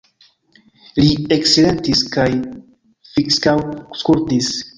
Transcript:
Li eksilentis kaj fiksaŭskultis.